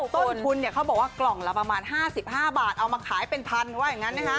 ต้นทุนเขาบอกว่ากล่องละประมาณ๕๕บาทเอามาขายเป็นพัน